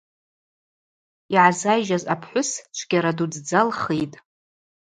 Йгӏазайжьаз апхӏвыс чвгьара дудздза лхитӏ.